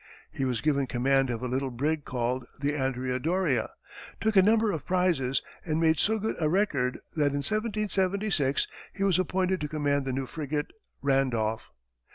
He was given command of a little brig called the Andrea Doria, took a number of prizes, and made so good a record that in 1776 he was appointed to command the new frigate, Randolph.